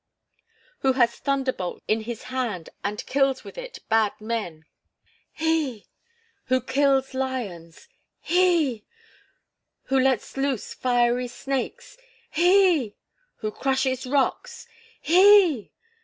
"Who has thunder bolts in his hand and kills with it bad men " "He!" "Who kills lions " "He!" "Who lets loose fiery snakes " "He!" "Who crushes rocks " "He!"